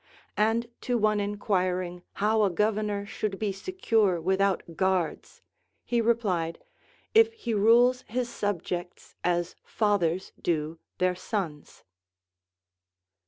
And to one enquiring hoΛV a governor should be secure without guards, he replied, If he rules his subjects as fathers do their sons.